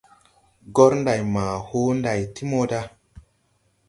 Gor nday ma hoo nday ti moda.